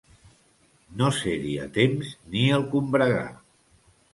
No ser-hi a temps ni el combregar.